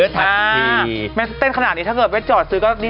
แต่เต้นขนาดนี้ถ้าเจอก็